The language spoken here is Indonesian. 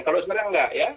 kalau sebenarnya enggak ya